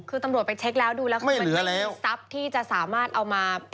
คือตำรวจไปเช็คแล้วดูแล้วคือมันไม่มีทรัพย์ที่จะสามารถเอามา